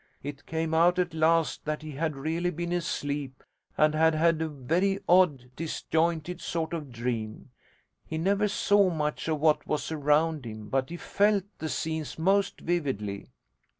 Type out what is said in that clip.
It came out at last that he had really been asleep and had had a very odd disjointed sort of dream. He never saw much of what was around him, but he felt the scenes most vividly.